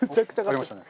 ありましたね。